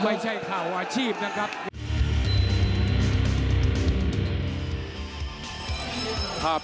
ตามต่อยกที่๓ครับ